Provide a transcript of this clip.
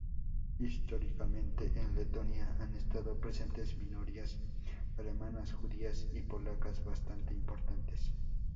Históricamente, en Letonia han estado presentes minorías alemanas, judías y polacas bastante importantes.